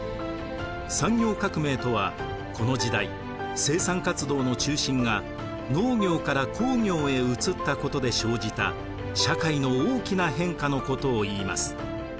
産業革命とはこの時代生産活動の中心が農業から工業へ移ったことで生じた社会の大きな変化のことを言います。